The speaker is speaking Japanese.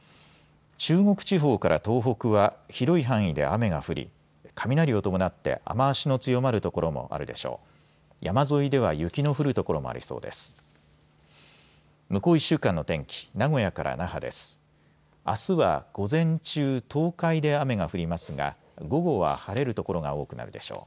中国地方から東北は広い範囲で雨が降り雷を伴って雨足の強まる所もあるでしょう。